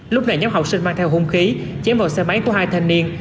lúc này nhóm học sinh mang theo hung khí chém vào xe máy của hai thanh niên